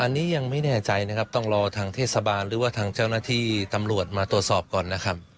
อันนี้ยังไม่แน่ใจนะครับต้องรอทางเทศบาลหรือว่าทางเจ้าหน้าที่ตำรวจมาตรวจสอบก่อนนะครับ